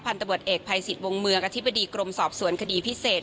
พันธบดเอกภัยศิษย์วงเมืองอธิบดีกรมสอบสวนคดีพิเศษ